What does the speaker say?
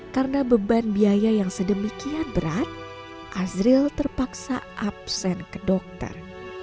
karena beban biaya yang sedemikian berat azril terpaksa absen ke dokter